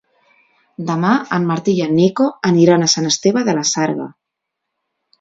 Demà en Martí i en Nico aniran a Sant Esteve de la Sarga.